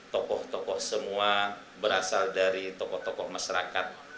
tokoh tokoh semua berasal dari tokoh tokoh masyarakat